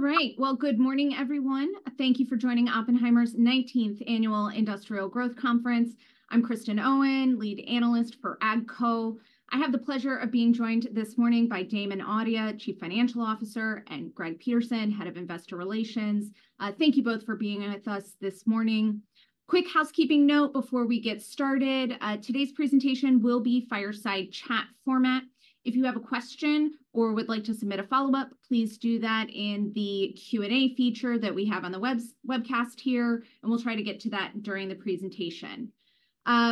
All right. Well, good morning, everyone. Thank you for joining Oppenheimer's 19th Annual Industrial Growth conference. I'm Kristen Owen, Lead Analyst for AGCO. I have the pleasure of being joined this morning by Damon Audia, Chief Financial Officer, and Greg Peterson, Head of Investor Relations. Thank you both for being with us this morning. Quick housekeeping note before we get started. Today's presentation will be fireside chat format. If you have a question or would like to submit a follow-up, please do that in the Q&A feature that we have on the webcast here, and we'll try to get to that during the presentation.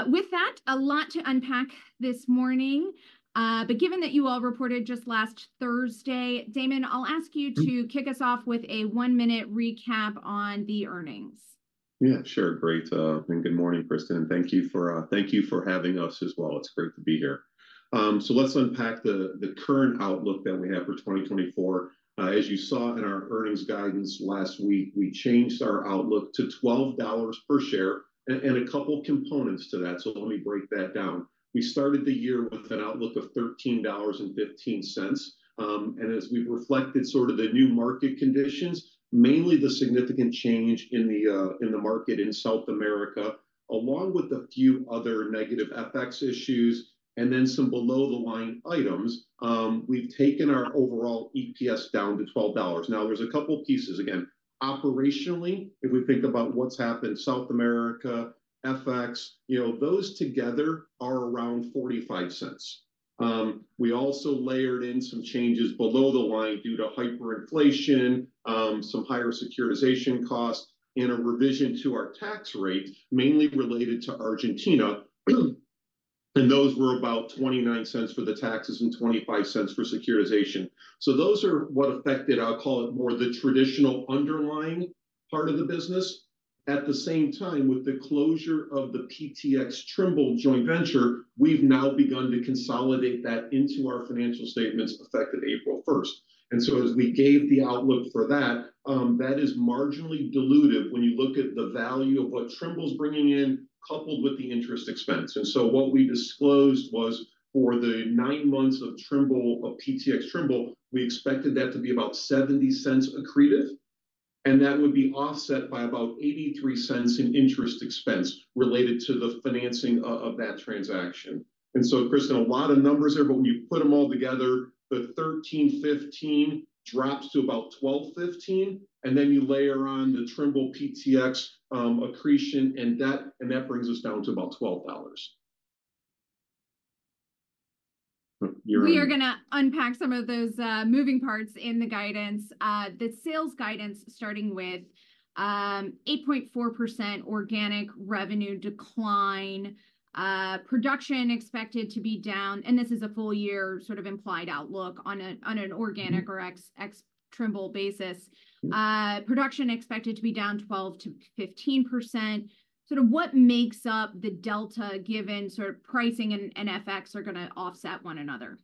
With that, a lot to unpack this morning, but given that you all reported just last Thursday, Damon, I'll ask you to- Mm... kick us off with a one-minute recap on the earnings. Yeah, sure. Great, and good morning, Kristen, and thank you for, thank you for having us as well. It's great to be here. So let's unpack the current outlook that we have for 2024. As you saw in our earnings guidance last week, we changed our outlook to $12 per share, and a couple components to that, so let me break that down. We started the year with an outlook of $13.15, and as we've reflected sort of the new market conditions, mainly the significant change in the market in South America, along with a few other negative FX issues, and then some below-the-line items, we've taken our overall EPS down to $12. Now, there's a couple pieces. Again, operationally, if we think about what's happened, South America, FX, you know, those together are around $0.45. We also layered in some changes below the line due to hyperinflation, some higher securitization costs, and a revision to our tax rate, mainly related to Argentina, and those were about $0.29 for the taxes and $0.25 for securitization. So those are what affected, I'll call it, more the traditional underlying part of the business. At the same time, with the closure of the PTx Trimble joint venture, we've now begun to consolidate that into our financial statements, effective April 1st. And so as we gave the outlook for that, that is marginally dilutive when you look at the value of what Trimble's bringing in, coupled with the interest expense. And so what we disclosed was, for the nine months of Trimble, of PTx Trimble, we expected that to be about $0.70 accretive, and that would be offset by about $0.83 in interest expense related to the financing of, of that transaction. And so, Kristen, a lot of numbers there, but when you put them all together, the $13.15 drops to about $12.15, and then you layer on the Trimble PTx accretion, and that, and that brings us down to about $12. You're- We are gonna unpack some of those moving parts in the guidance. The sales guidance starting with 8.4% organic revenue decline, production expected to be down, and this is a full-year sort of implied outlook on an organic- Mm... or ex-Trimble basis. Mm. Production expected to be down 12%-15%. Sort of what makes up the delta, given sort of pricing and FX are gonna offset one another?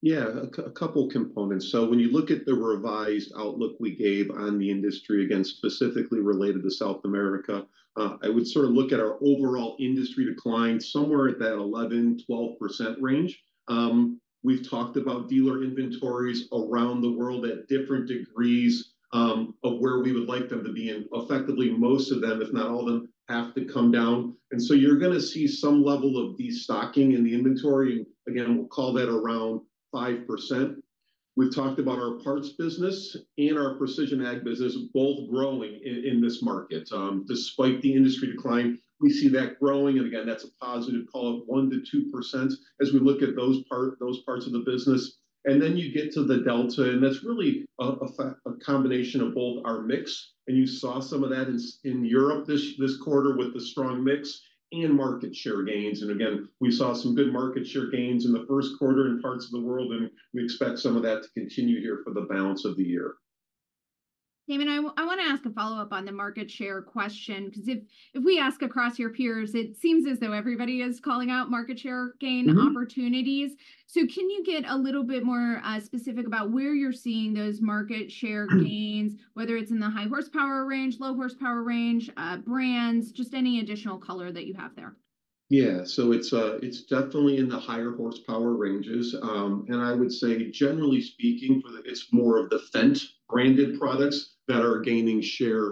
Yeah, a couple components. So when you look at the revised outlook we gave on the industry, again, specifically related to South America, I would sort of look at our overall industry decline somewhere at that 11%-12% range. We've talked about dealer inventories around the world at different degrees of where we would like them to be, and effectively, most of them, if not all of them, have to come down. And so you're gonna see some level of destocking in the inventory. Again, we'll call that around 5%. We've talked about our parts business and our precision ag business both growing in this market. Despite the industry decline, we see that growing, and again, that's a positive, call it 1%-2% as we look at those parts of the business. And then you get to the delta, and that's really a combination of both our mix, and you saw some of that in Europe this quarter with the strong mix, and market share gains. And again, we saw some good market share gains in the first quarter in parts of the world, and we expect some of that to continue here for the balance of the year. Damon, I wanna ask a follow-up on the market share question, 'cause if we ask across your peers, it seems as though everybody is calling out market share gain- Mm-hmm... opportunities. So can you get a little bit more specific about where you're seeing those market share gains? Mm... whether it's in the high horsepower range, low horsepower range, brands, just any additional color that you have there? Yeah. So it's, it's definitely in the higher horsepower ranges. And I would say, generally speaking, it's more of the Fendt-branded products that are gaining share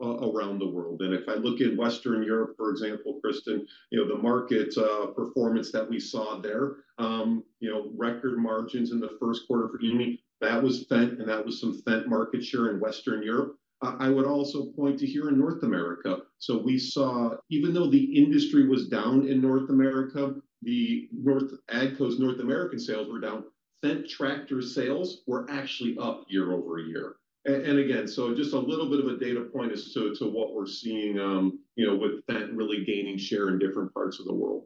around the world. And if I look at Western Europe, for example, Kristen, you know, the market performance that we saw there, you know, record margins in the first quarter for Fendt, that was Fendt, and that was some Fendt market share in Western Europe. I would also point to here in North America. So we saw... Even though the industry was down in North America, AGCO's North American sales were down. Fendt tractor sales were actually up year over year. And again, so just a little bit of a data point as to what we're seeing, you know, with Fendt really gaining share in different parts of the world.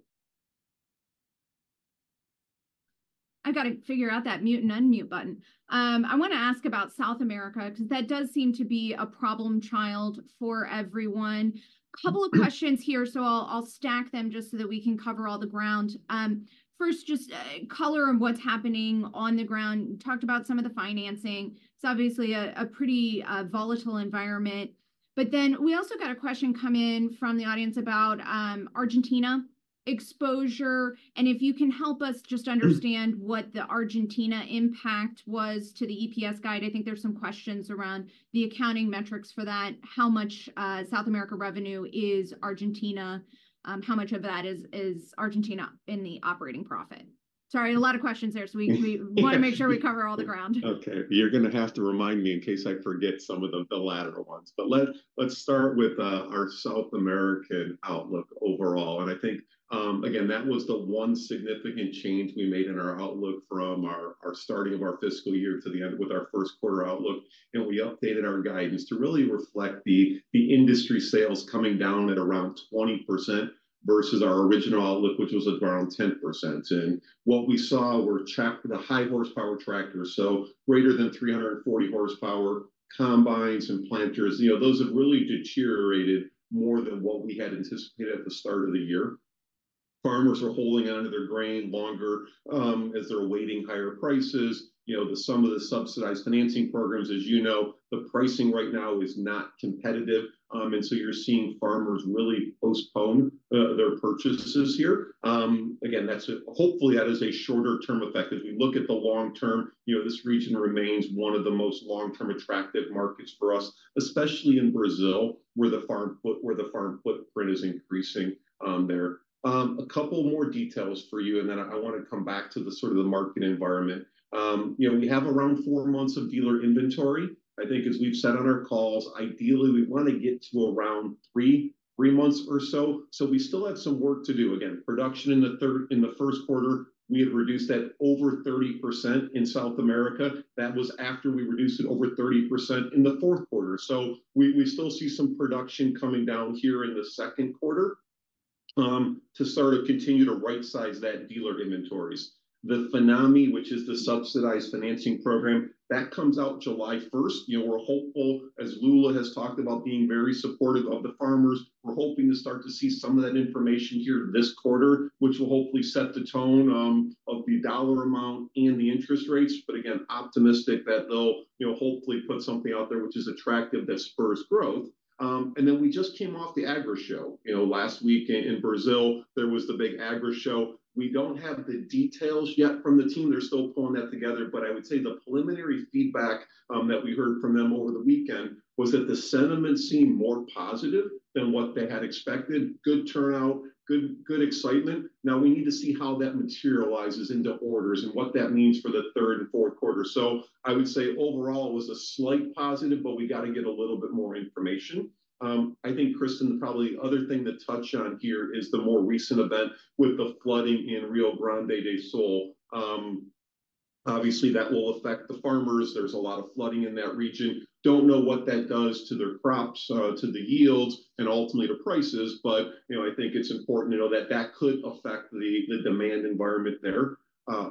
I've got to figure out that mute and unmute button. I wanna ask about South America, 'cause that does seem to be a problem child for everyone. Couple of questions here, so I'll stack them just so that we can cover all the ground. First, just color on what's happening on the ground. You talked about some of the financing. It's obviously a pretty volatile environment, but then we also got a question come in from the audience about Argentina exposure, and if you can help us just understand what the Argentina impact was to the EPS guide. I think there's some questions around the accounting metrics for that. How much South America revenue is Argentina? How much of that is Argentina in the operating profit? Sorry, a lot of questions there, so we- Yes. We wanna make sure we cover all the ground. Okay. You're gonna have to remind me in case I forget some of the, the latter ones. But let's start with our South American outlook overall, and I think, again, that was the one significant change we made in our outlook from our, our starting of our fiscal year to the end with our first quarter outlook, and we updated our guidance to really reflect the, the industry sales coming down at around 20% versus our original outlook, which was around 10%. And what we saw were the high horsepower tractors, so greater than 340 horsepower combines and planters. You know, those have really deteriorated more than what we had anticipated at the start of the year. Farmers are holding on to their grain longer, as they're awaiting higher prices. You know, some of the subsidized financing programs, as you know, the pricing right now is not competitive, and so you're seeing farmers really postpone their purchases here. Again, that's hopefully a shorter term effect. As we look at the long term, you know, this region remains one of the most long-term attractive markets for us, especially in Brazil, where the farm footprint is increasing there. A couple more details for you, and then I want to come back to sort of the market environment. You know, we have around 4 months of dealer inventory. I think as we've said on our calls, ideally, we wanna get to around 3, 3 months or so. So we still have some work to do. Again, production in the first quarter, we had reduced that over 30% in South America. That was after we reduced it over 30% in the fourth quarter. So we still see some production coming down here in the second quarter, to sort of continue to rightsize that dealer inventories. The FINAME, which is the subsidized financing program, that comes out July first. You know, we're hopeful, as Lula has talked about being very supportive of the farmers, we're hoping to start to see some of that information here this quarter, which will hopefully set the tone of the dollar amount and the interest rates. But again, optimistic that they'll, you know, hopefully put something out there which is attractive, that spurs growth. And then we just came off the Agri Show. You know, last week in Brazil, there was the big Agri Show. We don't have the details yet from the team. They're still pulling that together, but I would say the preliminary feedback that we heard from them over the weekend was that the sentiment seemed more positive than what they had expected. Good turnout, good excitement. Now we need to see how that materializes into orders and what that means for the third and fourth quarter. So I would say overall, it was a slight positive, but we got to get a little bit more information. I think, Kristen, probably the other thing to touch on here is the more recent event with the flooding in Rio Grande do Sul. Obviously, that will affect the farmers. There's a lot of flooding in that region. Don't know what that does to their crops, to the yields and ultimately the prices, but, you know, I think it's important to know that that could affect the demand environment there.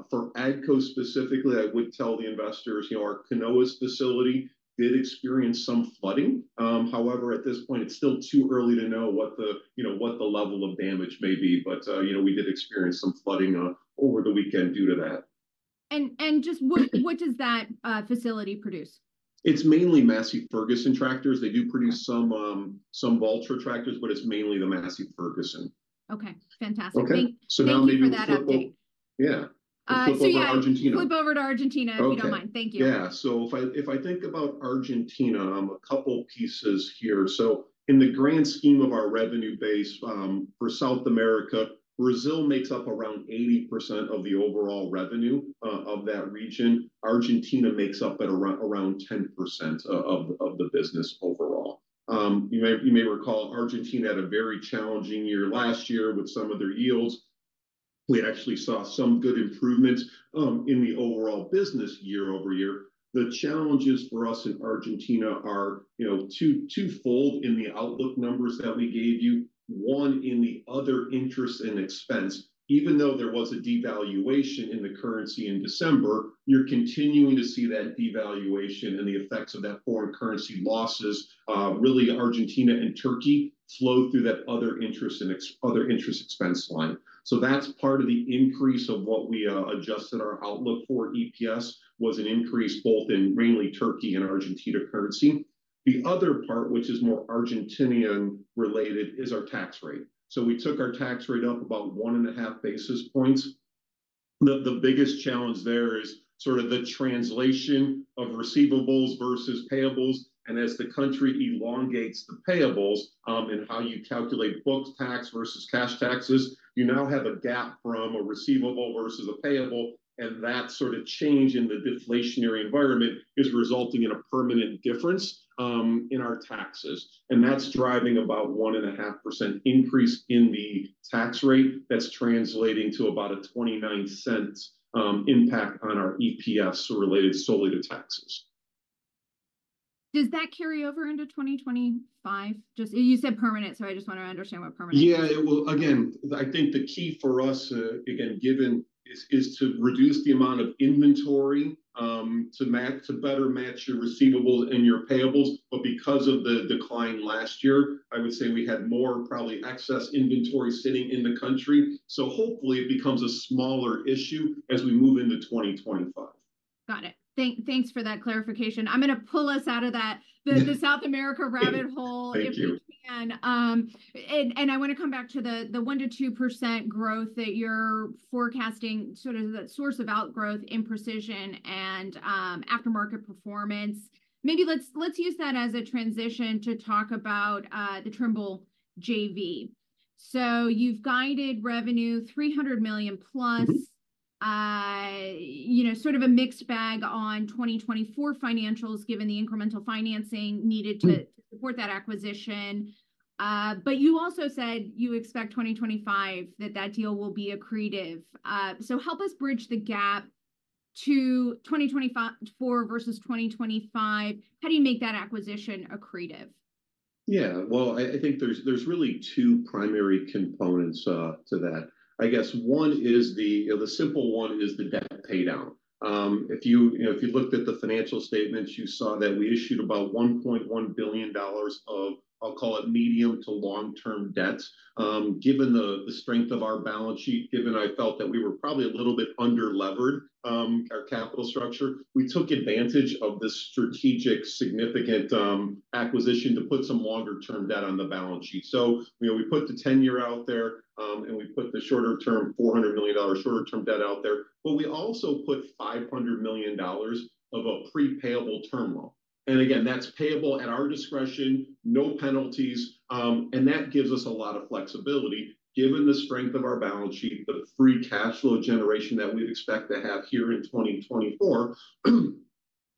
For AGCO specifically, I would tell the investors, you know, our Canoas facility did experience some flooding. However, at this point, it's still too early to know what the, you know, what the level of damage may be, but, you know, we did experience some flooding, over the weekend due to that. And just what does that facility produce? It's mainly Massey Ferguson tractors. Okay. They do produce some, some Valtra tractors, but it's mainly the Massey Ferguson. Okay, fantastic. Okay. Thank- So now maybe we flip over- Thank you for that update. Yeah. So yeah- Flip over to Argentina. Flip over to Argentina- Okay... if you don't mind. Thank you. Yeah. So if I think about Argentina, a couple pieces here. So in the grand scheme of our revenue base, for South America, Brazil makes up around 80% of the overall revenue, of that region. Argentina makes up at around 10% of the business overall. You may recall, Argentina had a very challenging year last year with some of their yields. We actually saw some good improvements, in the overall business year-over-year. The challenges for us in Argentina are, you know, twofold in the outlook numbers that we gave you. One, in the other interest and expense. Even though there was a devaluation in the currency in December, you're continuing to see that devaluation and the effects of that foreign currency losses. Really, Argentina and Turkey flow through that other interest expense line. So that's part of the increase of what we adjusted our outlook for EPS, was an increase both in mainly Turkey and Argentina currency. The other part, which is more Argentinian related, is our tax rate. So we took our tax rate up about 1.5 basis points. The biggest challenge there is sort of the translation of receivables versus payables, and as the country elongates the payables, and how you calculate book tax versus cash taxes, you now have a gap from a receivable versus a payable, and that sort of change in the deflationary environment is resulting in a permanent difference in our taxes. And that's driving about 1.5% increase in the tax rate. That's translating to about a $0.29 impact on our EPS related solely to taxes.... Does that carry over into 2025? Just, you said permanent, so I just wanna understand what permanent means. Yeah, it will. Again, I think the key for us is to reduce the amount of inventory to better match your receivables and your payables. But because of the decline last year, I would say we had more probably excess inventory sitting in the country. So hopefully, it becomes a smaller issue as we move into 2025. Got it. Thanks for that clarification. I'm gonna pull us out of the South America rabbit hole- Thank you ... if we can. And I wanna come back to the 1%-2% growth that you're forecasting, sort of the source of outgrowth in precision and aftermarket performance. Maybe let's use that as a transition to talk about the Trimble JV. So you've guided revenue $300 million plus. Mm-hmm. You know, sort of a mixed bag on 2024 financials, given the incremental financing needed to- Mm... support that acquisition. But you also said you expect 2025, that that deal will be accretive. So help us bridge the gap to 2025, 2024 versus 2025. How do you make that acquisition accretive? Yeah, well, I think there's really two primary components to that. I guess one is the simple one is the debt pay down. If you know, if you looked at the financial statements, you saw that we issued about $1.1 billion of, I'll call it, medium to long-term debt. Given the strength of our balance sheet, given I felt that we were probably a little bit under-levered our capital structure, we took advantage of the strategic, significant acquisition to put some longer-term debt on the balance sheet. So, you know, we put the 10-year out there, and we put the shorter term, $400 million shorter term debt out there, but we also put $500 million of a pre-payable term loan. And again, that's payable at our discretion, no penalties, and that gives us a lot of flexibility. Given the strength of our balance sheet, the free cash flow generation that we'd expect to have here in 2024,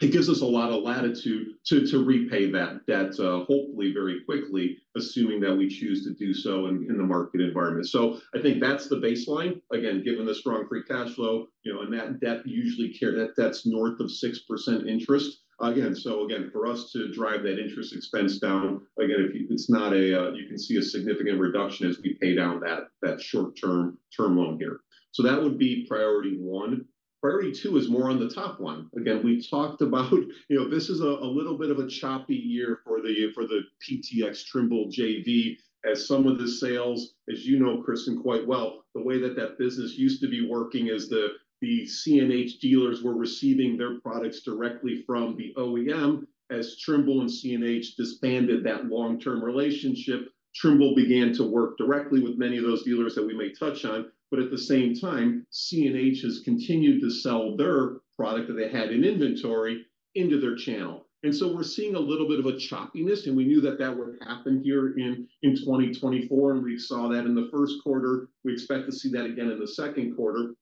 it gives us a lot of latitude to, to repay that debt, hopefully very quickly, assuming that we choose to do so in, in the market environment. So I think that's the baseline. Again, given the strong free cash flow, you know, and that debt usually carry- that debt's north of 6% interest. Again, so again, for us to drive that interest expense down, again, if you- it's not a you can see a significant reduction as we pay down that, that short-term, term loan here. So that would be priority one. Priority two is more on the top line. Again, we talked about, you know, this is a, a little bit of a choppy year for the, for the PTx Trimble JV, as some of the sales, as you know, Kristen, quite well, the way that that business used to be working is the, the CNH dealers were receiving their products directly from the OEM. As Trimble and CNH disbanded that long-term relationship, Trimble began to work directly with many of those dealers that we may touch on. But at the same time, CNH has continued to sell their product that they had in inventory into their channel. And so we're seeing a little bit of a choppiness, and we knew that that would happen here in, in 2024, and we saw that in the first quarter. We expect to see that again in the second quarter.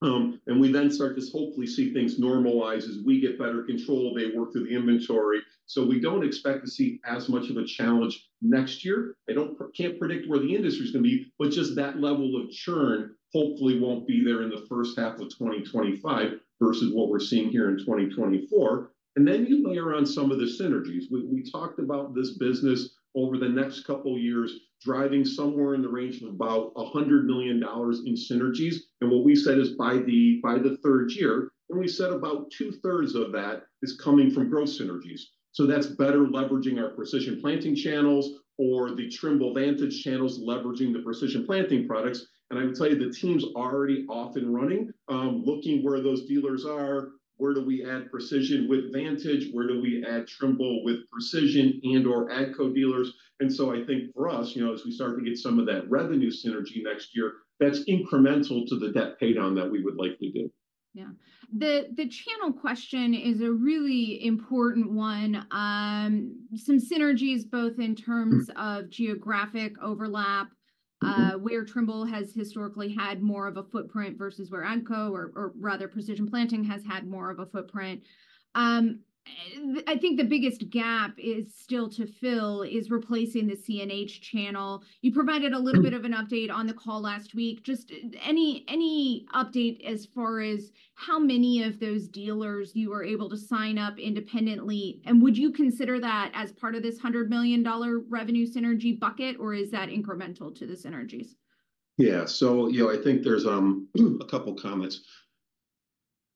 And we then start to hopefully see things normalize as we get better control, they work through the inventory. So we don't expect to see as much of a challenge next year. I can't predict where the industry's gonna be, but just that level of churn hopefully won't be there in the first half of 2025 versus what we're seeing here in 2024. And then you layer on some of the synergies. We talked about this business over the next couple of years, driving somewhere in the range of about $100 million in synergies. And what we said is by the third year, and we said about two-thirds of that is coming from growth synergies. So that's better leveraging our Precision Planting channels or the Trimble Vantage channels, leveraging the Precision Planting products. I would tell you, the team's already off and running, looking where those dealers are, where do we add precision with Vantage? Where do we add Trimble with precision and/or AGCO dealers? So I think for us, you know, as we start to get some of that revenue synergy next year, that's incremental to the debt pay down that we would likely do. Yeah. The channel question is a really important one. Some synergies, both in terms- Mm... of geographic overlap, where Trimble has historically had more of a footprint versus where AGCO or, rather Precision Planting, has had more of a footprint. I think the biggest gap is still to fill is replacing the CNH channel. You provided a little bit of an update on the call last week. Just any update as far as how many of those dealers you were able to sign up independently, and would you consider that as part of this $100 million revenue synergy bucket, or is that incremental to the synergies? Yeah. So, you know, I think there's a couple comments.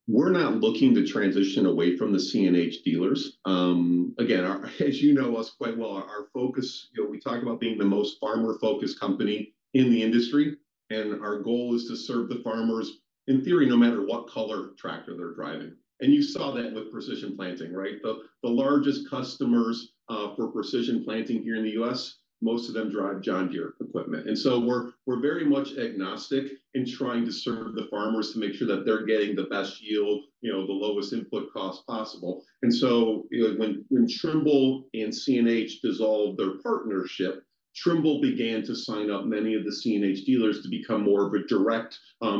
We're not looking to transition away from the CNH dealers. Again, as you know us quite well, our focus, you know, we talk about being the most farmer-focused company in the industry, and our goal is to serve the farmers, in theory, no matter what color tractor they're driving. And you saw that with Precision Planting, right? The largest customers for Precision Planting here in the US, most of them drive John Deere equipment. And so we're very much agnostic in trying to serve the farmers to make sure that they're getting the best yield, you know, the lowest input cost possible. And so, you know, when Trimble and CNH dissolved their partnership, Trimble began to sign up many of the CNH dealers to become more of a direct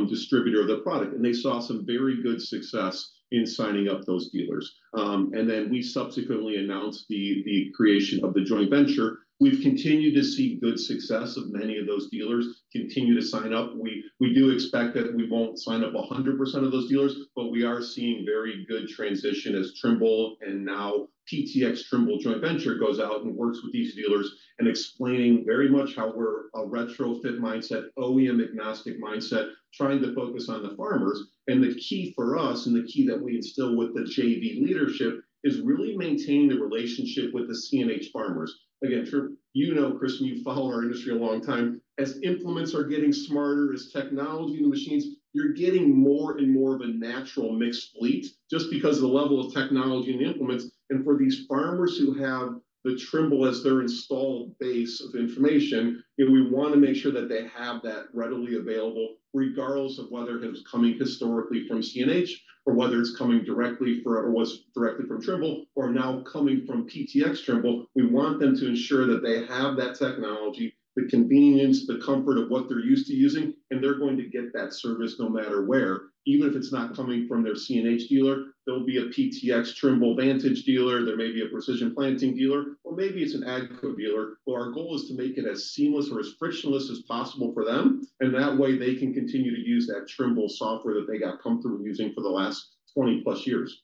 distributor of the product, and they saw some very good success in signing up those dealers. And then we subsequently announced the creation of the joint venture. We've continued to see good success of many of those dealers continue to sign up. We do expect that we won't sign up 100% of those dealers, but we are seeing very good transition as Trimble and now PTX Trimble joint venture goes out and works with these dealers, and explaining very much how we're a retrofit mindset, OEM-agnostic mindset, trying to focus on the farmers. The key for us, and the key that we instill with the JV leadership, is really maintaining the relationship with the CNH farmers. Again, you know, Chris, you've followed our industry a long time. As implements are getting smarter, as technology in the machines, you're getting more and more of a natural mixed fleet, just because of the level of technology and implements. For these farmers who have the Trimble as their installed base of information, you know, we wanna make sure that they have that readily available, regardless of whether it was coming historically from CNH, or whether it's coming directly or was directly from Trimble, or now coming from PTx Trimble. We want them to ensure that they have that technology, the convenience, the comfort of what they're used to using, and they're going to get that service no matter where. Even if it's not coming from their CNH dealer, there'll be a PTx Trimble Vantage dealer, there may be a Precision Planting dealer, or maybe it's an AGCO dealer, but our goal is to make it as seamless or as frictionless as possible for them, and that way they can continue to use that Trimble software that they got comfortable using for the last 20-plus years.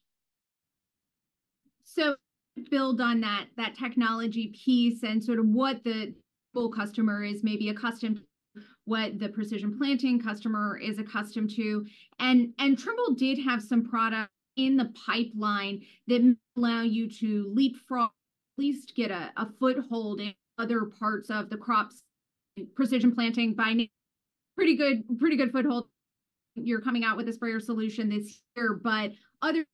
So build on that, that technology piece and sort of what the full customer is maybe accustomed to, what the Precision Planting customer is accustomed to. And Trimble did have some product in the pipeline that allow you to leapfrog, at least get a foothold in other parts of the crops. Precision Planting finding pretty good foothold. You're coming out with a sprayer solution this year, but other...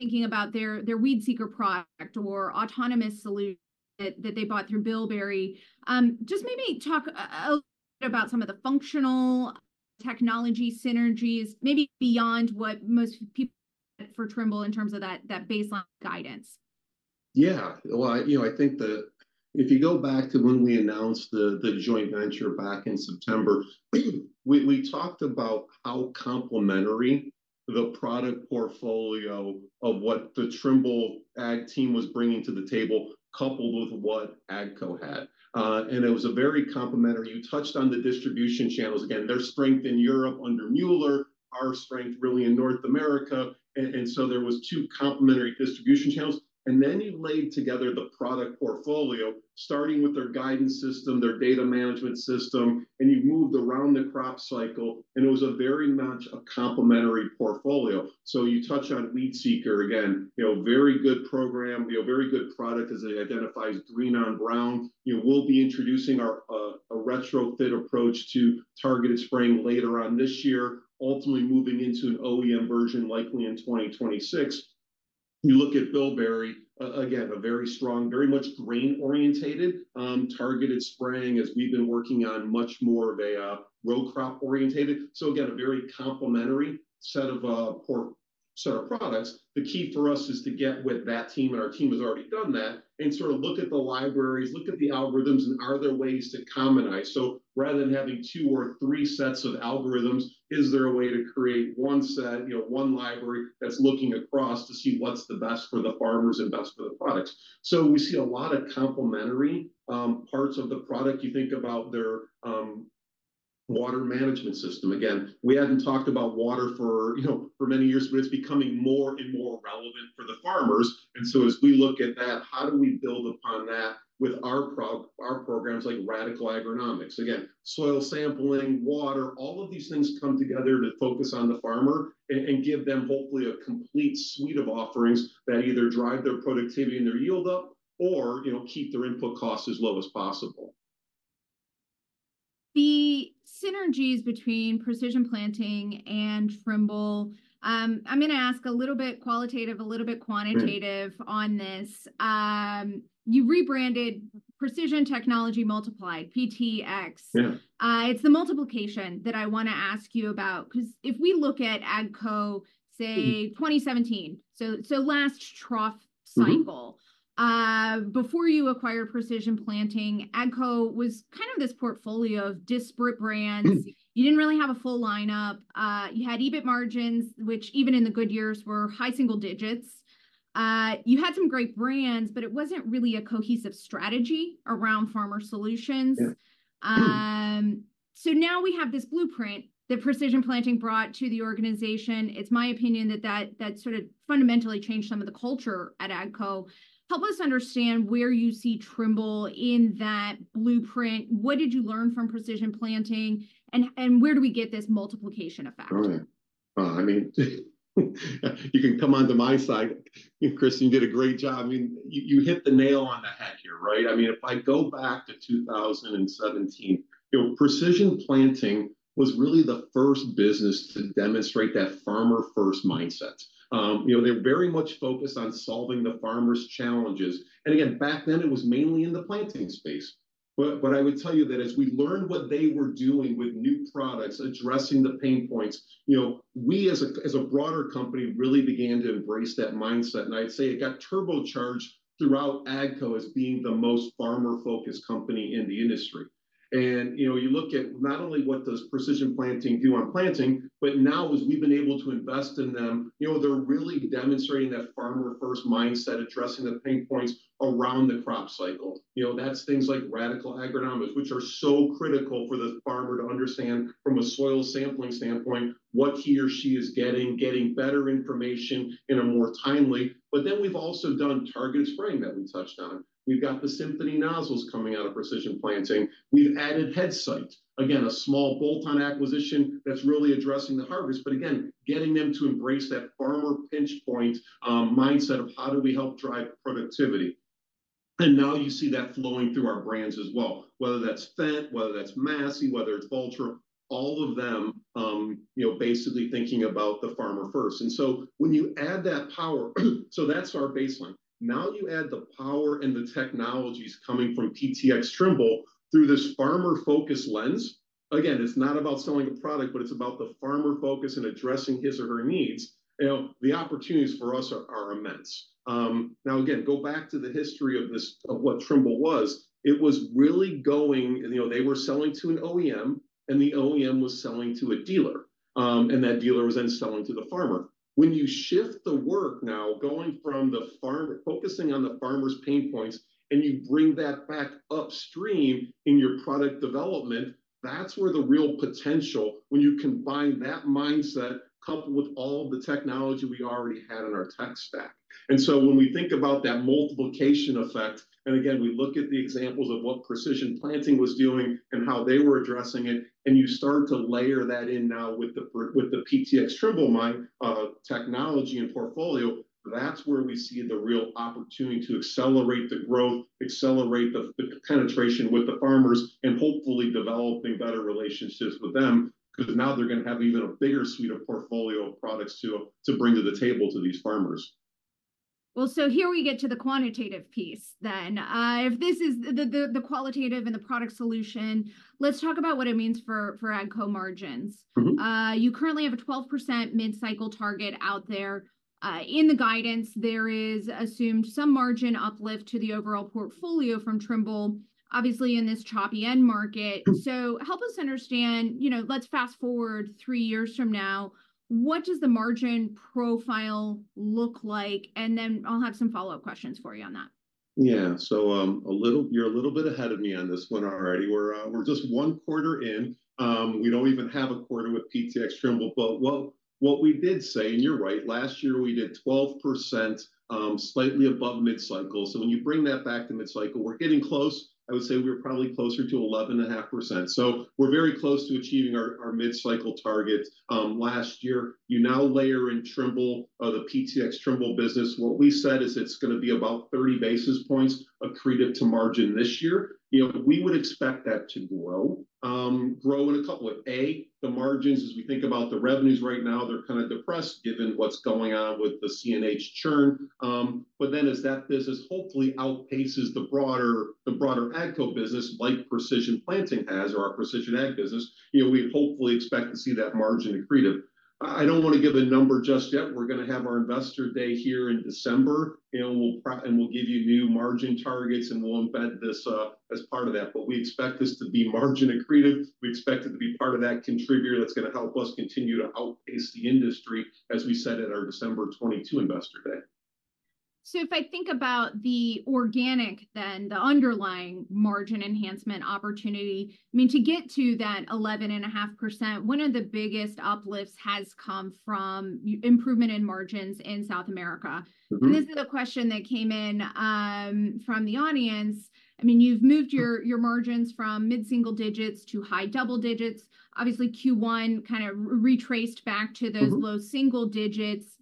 Thinking about their WeedSeeker product or autonomous solution that they bought through Bilberry. Just maybe talk a little about some of the functional technology synergies, maybe beyond what most people for Trimble, in terms of that baseline guidance. Yeah. Well, you know, I think that if you go back to when we announced the joint venture back in September, we talked about how complementary the product portfolio of what the Trimble Ag team was bringing to the table, coupled with what AGCO had. And it was a very complementary. You touched on the distribution channels. Again, their strength in Europe under Müller, our strength really in North America, and so there was two complementary distribution channels. And then you laid together the product portfolio, starting with their guidance system, their data management system, and you moved around the crop cycle, and it was a very much a complementary portfolio. So you touched on WeedSeeker again, you know, very good program, you know, very good product as it identifies green on brown. You know, we'll be introducing our a retrofit approach to targeted spraying later on this year, ultimately moving into an OEM version, likely in 2026. You look at Bilberry, again, a very strong, very much grain-oriented targeted spraying, as we've been working on much more of a row crop-oriented. So again, a very complementary set of products. The key for us is to get with that team, and our team has already done that, and sort of look at the libraries, look at the algorithms, and are there ways to commonize? So rather than having two or three sets of algorithms, is there a way to create one set, you know, one library, that's looking across to see what's the best for the farmers and best for the products? So we see a lot of complementary parts of the product. You think about their water management system. Again, we hadn't talked about water for, you know, for many years, but it's becoming more and more relevant for the farmers. And so as we look at that, how do we build upon that with our programs, like Radicle Agronomics? Again, soil sampling, water, all of these things come together to focus on the farmer and give them, hopefully, a complete suite of offerings that either drive their productivity and their yield up or, you know, keep their input costs as low as possible. The synergies between Precision Planting and Trimble, I'm gonna ask a little bit qualitative, a little bit quantitative- Mm... on this. You rebranded Precision Technology Multiply, PTx. Yeah. It's the multiplication that I wanna ask you about, 'cause if we look at AGCO, say, 2017- Mm… so last trough cycle- Mm-hmm... before you acquired Precision Planting, AGCO was kind of this portfolio of disparate brands. You didn't really have a full lineup. You had EBIT margins, which even in the good years, were high single digits. You had some great brands, but it wasn't really a cohesive strategy around farmer solutions. Yeah. Now we have this blueprint that Precision Planting brought to the organization. It's my opinion that that sort of fundamentally changed some of the culture at AGCO. Help us understand where you see Trimble in that blueprint. What did you learn from Precision Planting, and where do we get this multiplication effect?... I mean, you can come onto my side. Kristen, you did a great job. I mean, you hit the nail on the head here, right? I mean, if I go back to 2017, you know, Precision Planting was really the first business to demonstrate that farmer first mindset. You know, they're very much focused on solving the farmer's challenges. And again, back then, it was mainly in the planting space. But I would tell you that as we learned what they were doing with new products, addressing the pain points, you know, we as a broader company, really began to embrace that mindset. And I'd say it got turbocharged throughout AGCO as being the most farmer-focused company in the industry. You know, you look at not only what those Precision Planting do on planting, but now as we've been able to invest in them, you know, they're really demonstrating that farmer first mindset, addressing the pain points around the crop cycle. You know, that's things like Radicle Agronomics, which are so critical for the farmer to understand from a soil sampling standpoint, what he or she is getting, getting better information in a more timely... But then we've also done targeted spraying that we touched on. We've got the Symphony nozzles coming out of Precision Planting. We've added Headsight. Again, a small bolt-on acquisition that's really addressing the harvest, but again, getting them to embrace that farmer pinch point, mindset of how do we help drive productivity. And now you see that flowing through our brands as well, whether that's Fendt, whether that's Massey, whether it's Valtra, all of them, you know, basically thinking about the farmer first. And so when you add that power, so that's our baseline. Now, you add the power and the technologies coming from PTx Trimble through this farmer focus lens. Again, it's not about selling a product, but it's about the farmer focus and addressing his or her needs. You know, the opportunities for us are immense. Now, again, go back to the history of this, of what Trimble was. It was really going. You know, they were selling to an OEM, and the OEM was selling to a dealer, and that dealer was then selling to the farmer. When you shift the work now, going from the farmer focusing on the farmer's pain points, and you bring that back upstream in your product development, that's where the real potential, when you combine that mindset, coupled with all the technology we already had in our tech stack. And so when we think about that multiplication effect, and again, we look at the examples of what Precision Planting was doing and how they were addressing it, and you start to layer that in now with the PTx Trimble technology and portfolio, that's where we see the real opportunity to accelerate the growth, accelerate the penetration with the farmers, and hopefully developing better relationships with them. Because now they're gonna have even a bigger suite of portfolio of products to bring to the table to these farmers. Well, so here we get to the quantitative piece then. If this is the qualitative and the product solution, let's talk about what it means for AGCO margins. Mm-hmm. You currently have a 12% mid-cycle target out there. In the guidance, there is assumed some margin uplift to the overall portfolio from Trimble, obviously in this choppy end market. Mm. So help us understand, you know, let's fast-forward three years from now, what does the margin profile look like? And then I'll have some follow-up questions for you on that. Yeah. So, a little-- you're a little bit ahead of me on this one already. We're, we're just one quarter in, we don't even have a quarter with PTX Trimble, but well, what we did say, and you're right, last year we did 12%, slightly above mid-cycle. So when you bring that back to mid-cycle, we're getting close. I would say we're probably closer to 11.5%. So we're very close to achieving our, our mid-cycle target, last year. You now layer in Trimble, the PTX Trimble business. What we said is it's gonna be about 30 basis points accretive to margin this year. You know, we would expect that to grow, grow in a couple of, A, the margins as we think about the revenues right now, they're kinda depressed given what's going on with the CNH churn. But then as that business hopefully outpaces the broader, the broader AGCO business, like Precision Planting has, or our precision ag business, you know, we hopefully expect to see that margin accretive. I, I don't wanna give a number just yet. We're gonna have our investor day here in December, and we'll and we'll give you new margin targets, and we'll embed this, as part of that. But we expect this to be margin accretive. We expect it to be part of that contributor that's gonna help us continue to outpace the industry, as we said at our December 2022 investor day. So if I think about the organic, then the underlying margin enhancement opportunity, I mean, to get to that 11.5%, one of the biggest uplifts has come from improvement in margins in South America. Mm-hmm. This is a question that came in from the audience. I mean, you've moved your margins from mid-single digits to high double digits. Obviously, Q1 kind of retraced back to- Mm-hmm... those low single digits.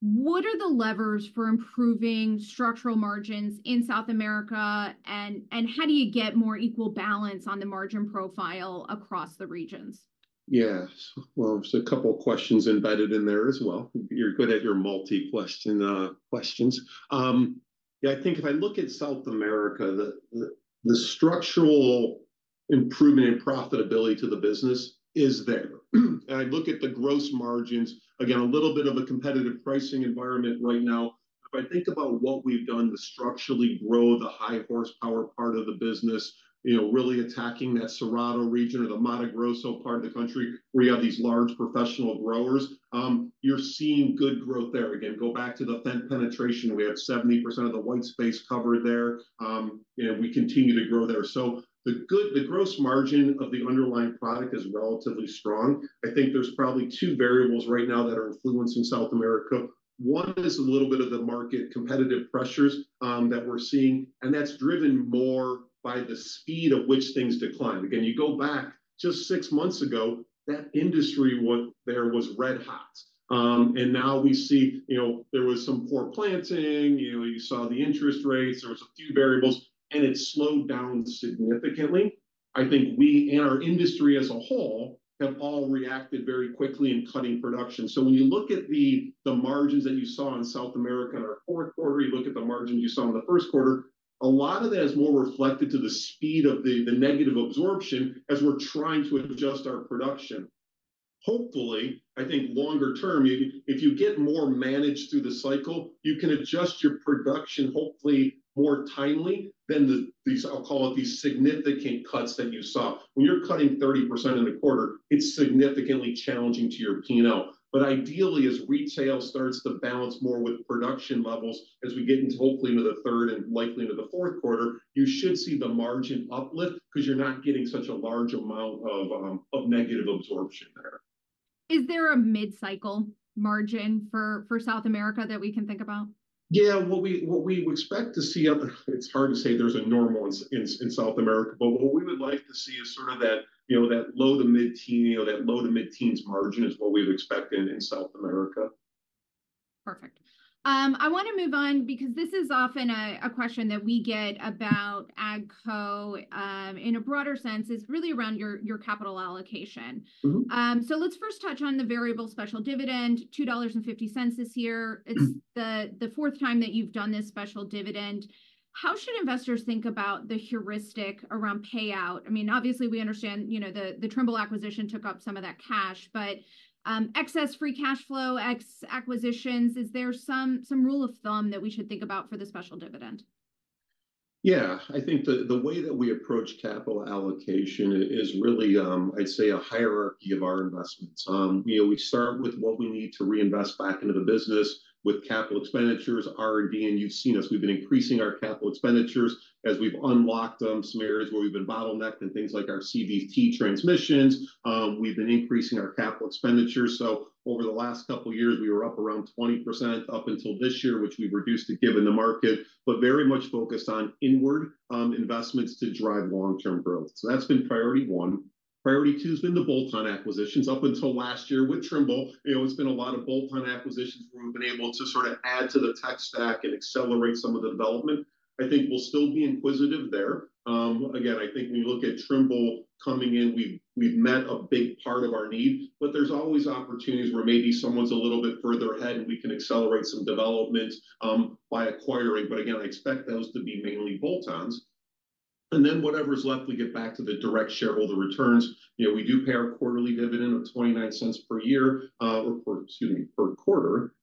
What are the levers for improving structural margins in South America, and how do you get more equal balance on the margin profile across the regions? Yes. Well, there's a couple of questions embedded in there as well. You're good at your multi-question, questions. Yeah, I think if I look at South America, the structural improvement in profitability to the business is there. And I look at the gross margins, again, a little bit of a competitive pricing environment right now. If I think about what we've done to structurally grow the high horsepower part of the business, you know, really attacking that Cerrado region or the Mato Grosso part of the country, where you have these large professional growers, you're seeing good growth there. Again, go back to the Fendt penetration. We have 70% of the white space covered there. You know, we continue to grow there. So the gross margin of the underlying product is relatively strong. I think there's probably two variables right now that are influencing South America. One is a little bit of the market competitive pressures, that we're seeing, and that's driven more by the speed at which things decline. Again, you go back just six months ago, that industry was red hot. And now we see, you know, there was some poor planting, you know, you saw the interest rates, there was a few variables, and it slowed down significantly. I think we, in our industry as a whole, have all reacted very quickly in cutting production. So when you look at the, the margins that you saw in South America in our fourth quarter, you look at the margins you saw in the first quarter, a lot of that is more reflected to the speed of the, the negative absorption as we're trying to adjust our production. Hopefully, I think longer term, you- if you get more managed through the cycle, you can adjust your production, hopefully more timely than the, these, I'll call it, these significant cuts that you saw. When you're cutting 30% in a quarter, it's significantly challenging to your P&L. But ideally, as retail starts to balance more with production levels, as we get into hopefully into the third and likely into the fourth quarter, you should see the margin uplift because you're not getting such a large amount of, of negative absorption there. Is there a mid-cycle margin for South America that we can think about? Yeah, what we would expect to see, it's hard to say there's a normal in South America. But what we would like to see is sort of that, you know, that low- to mid-teen, you know, that low- to mid-teens margin is what we've expected in South America. Perfect. I wanna move on because this is often a question that we get about AGCO, in a broader sense, is really around your, your capital allocation. Mm-hmm. Let's first touch on the variable special dividend, $2.50 this year. Mm. It's the fourth time that you've done this special dividend. How should investors think about the heuristic around payout? I mean, obviously, we understand, you know, the Trimble acquisition took up some of that cash, but excess free cash flow, ex acquisitions, is there some rule of thumb that we should think about for the special dividend? Yeah. I think the way that we approach capital allocation is really, I'd say, a hierarchy of our investments. You know, we start with what we need to reinvest back into the business with capital expenditures, R&D, and you've seen us. We've been increasing our capital expenditures as we've unlocked some areas where we've been bottlenecked and things like our CVT transmissions. We've been increasing our capital expenditures. So over the last couple of years, we were up around 20% up until this year, which we've reduced to given the market, but very much focused on inward investments to drive long-term growth. So that's been priority one. Priority two has been the bolt-on acquisitions. Up until last year with Trimble, you know, it's been a lot of bolt-on acquisitions where we've been able to sort of add to the tech stack and accelerate some of the development. I think we'll still be inquisitive there. Again, I think when you look at Trimble coming in, we've, we've met a big part of our need, but there's always opportunities where maybe someone's a little bit further ahead, and we can accelerate some development by acquiring. But again, I expect those to be mainly bolt-ons. And then whatever's left, we get back to the direct shareholder returns. You know, we do pay our quarterly dividend of $0.29 per year, excuse me, per quarter.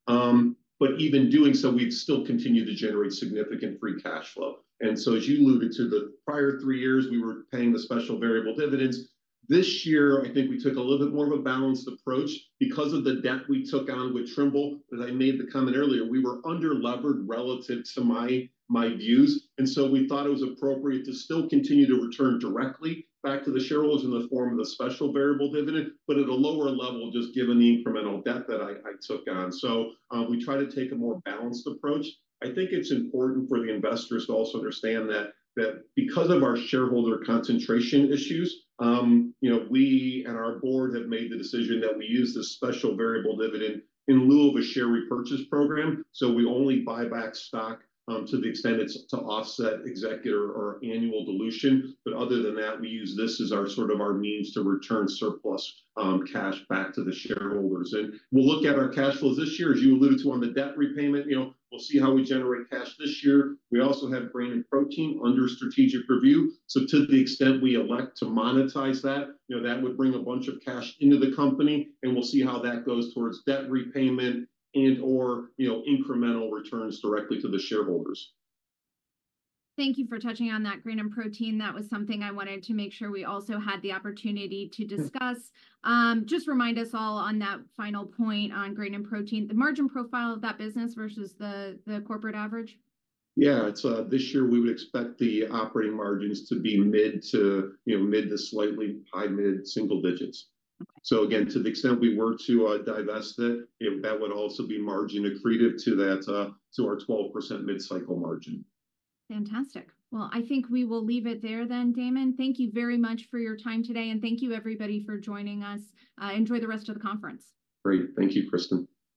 But even doing so, we'd still continue to generate significant free cash flow. As you alluded to, the prior three years, we were paying the special variable dividends. This year, I think we took a little bit more of a balanced approach. Because of the debt we took on with Trimble, as I made the comment earlier, we were under-levered relative to my, my views, and so we thought it was appropriate to still continue to return directly back to the shareholders in the form of a special variable dividend, but at a lower level, just given the incremental debt that I, I took on. So, we try to take a more balanced approach. I think it's important for the investors to also understand that, that because of our shareholder concentration issues, you know, we and our board have made the decision that we use this special variable dividend in lieu of a share repurchase program. So we only buy back stock, to the extent it's to offset executive or annual dilution. But other than that, we use this as our sort of our means to return surplus, cash back to the shareholders. And we'll look at our cash flows this year, as you alluded to, on the debt repayment, you know, we'll see how we generate cash this year. We also have Grain and Protein under strategic review. So to the extent we elect to monetize that, you know, that would bring a bunch of cash into the company, and we'll see how that goes towards debt repayment and/or, you know, incremental returns directly to the shareholders. Thank you for touching on that Grain and Protein. That was something I wanted to make sure we also had the opportunity to discuss. Yeah. Just remind us all on that final point on Grain & Protein, the margin profile of that business versus the corporate average. Yeah. It's this year, we would expect the operating margins to be mid to, you know, mid to slightly high, mid-single digits. Okay. So again, to the extent we were to divest it, you know, that would also be margin accretive to that, to our 12% mid-cycle margin. Fantastic. Well, I think we will leave it there then, Damon. Thank you very much for your time today, and thank you everybody for joining us. Enjoy the rest of the conference. Great. Thank you, Kristen.